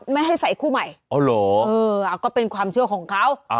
ไม่ให้ใส่คู่ใหม่อ๋อเหรอเออก็เป็นความเชื่อของเขา